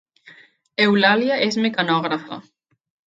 Eulàlia és mecanògrafa